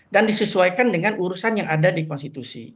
dan disesuaikan dengan urusan yang ada di konstitusi